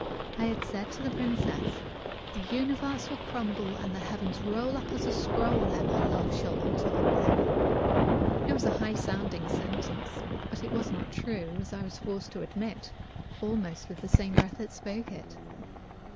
I had said to the princess: "The universe will crumble and the heavens roll up as a scroll ere my love shall alter or pale." It was a high sounding sentence, but it was not true, as I was forced to admit, almost with the same breath that spoke it.